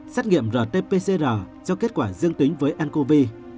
xét nghiệm rt pcr cho kết quả dương tính với ncov